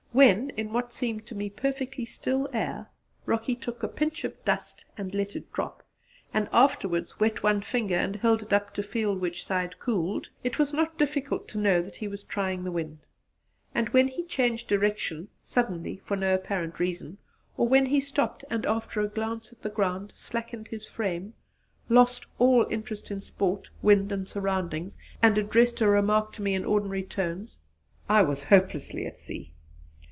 When, in what seemed to me perfectly still air, Rocky took a pinch of dust and let it drop, and afterwards wet one finger and held it up to feel which side cooled, it was not difficult to know that he was trying the wind; but when he changed direction suddenly for no apparent reason, or when he stopped and, after a glance at the ground, slackened his frame, lost all interest in sport wind and surroundings, and addressed a remark to me in ordinary tones, I was hopelessly at sea.